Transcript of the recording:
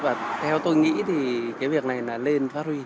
và theo tôi nghĩ thì cái việc này là lên phát huy